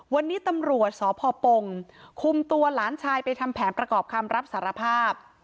วันนี้ตำรวจสพปงคุมตัวหลานชายไปทำแผนประกอบคำรับสารภาพ